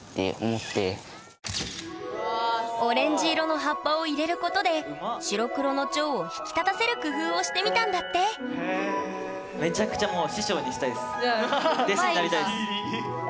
オレンジ色の葉っぱを入れることで白黒のチョウを引き立たせる工夫をしてみたんだってめちゃくちゃもううまいっすね。